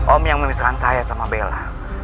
om yang memisahkan saya sama bella